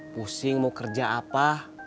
pusing mau kerja apa